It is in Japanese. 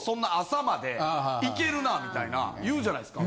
みたいな言うじゃないですか。